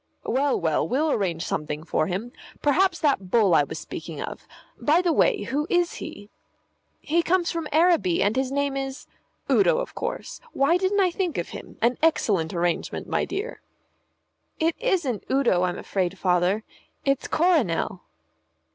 "Well, well, we'll arrange something for him. Perhaps that bull I was speaking of By the way, who is he?" "He comes from Araby, and his name is " "Udo, of course. Why didn't I think of him? An excellent arrangement, my dear." "It isn't Udo, I'm afraid, Father. It's Coronel."